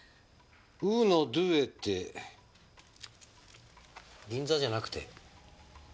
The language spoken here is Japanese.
「ウーノ・ドゥーエ」って銀座じゃなくて。